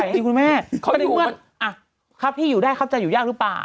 เปิดที่อยู่ได้เข้าใจอยู่ยากรึเปล่า